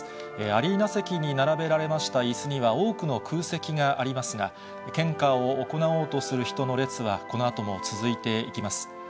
アリーナ席に並べられましたいすには、多くの空席がありますが、献花を行おうとする人の列は、このあとも続いていきます。